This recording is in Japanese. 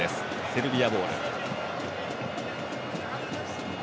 セルビアボール。